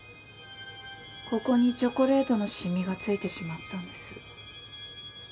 ここにチョコレートの染みが付いてしまったんです。